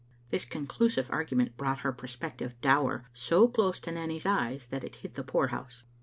" This conclusive argument brought her prospective dower so close to Nanny's eyes that it hid the poorhouse.